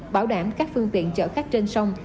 bảo đảm các phương tiện chở khách trên sông